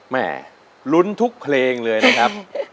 แม่ลุ้นทุกเพลงเลยนะครับ